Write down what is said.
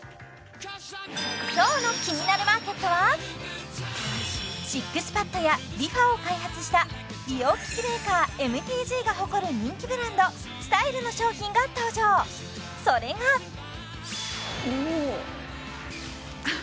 今日の「キニナルマーケット」はＳＩＸＰＡＤやＲｅＦａを開発した美容機器メーカーＭＴＧが誇る人気ブランドＳｔｙｌｅの商品が登場それがおおっ！